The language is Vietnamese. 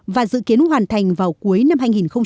và dự kiến hoàn thành vào cuối năm hai nghìn một mươi năm